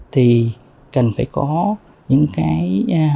thì cần phải có những thông minh